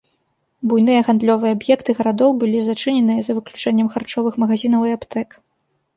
Буйныя гандлёвыя аб'екты гарадоў былі зачыненыя за выключэннем харчовых магазінаў і аптэк.